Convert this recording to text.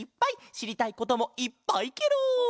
しりたいこともいっぱいケロ！